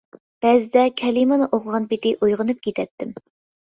بەزىدە كەلىمىنى ئوقۇغان پېتى ئويغىنىپ كېتەتتىم.